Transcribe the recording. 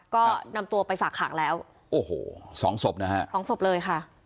ก็นำตัวไปฝากขังแล้วโอ้โหสองศพนะฮะสองศพเลยค่ะ